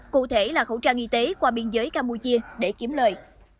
cụ thể là khẩu trang y tế qua biên giới campuchia để kiếm lời